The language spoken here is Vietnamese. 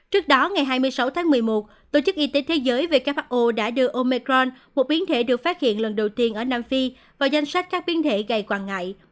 trước đó ngày hai mươi sáu tháng một mươi một tổ chức y tế thế giới who đã đưa omecron một biến thể được phát hiện lần đầu tiên ở nam phi vào danh sách các biến thể gây quan ngại